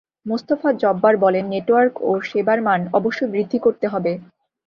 মোস্তাফা জব্বার বলেন, নেটওয়ার্ক ও সেবার মান অবশ্যই বৃদ্ধি করতে হবে।